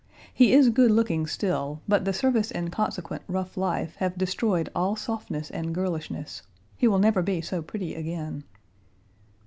He is good looking still, but the service and consequent rough life have destroyed all softness and girlishness. He will never be so pretty again.